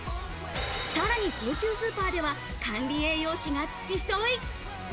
さらに高級スーパーでは管理栄養士が付き添い。